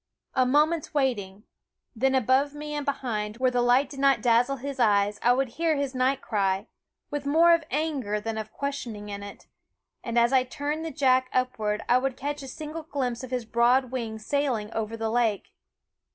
A moment's waiting; then, above me and behind, where the light did not dazzle SCHOOL OF 212 Quoskh Keen Eyed his eyes, I would hear his night cry with more of anger than of questioning in it and as I turned the jack upward I would catch a single glimpse of his broad wings sailing over the lake.